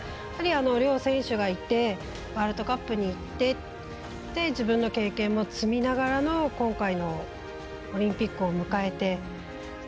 やはり、両選手がいてワールドカップにいって自分の経験を積みながらの今回のオリンピックを迎えて。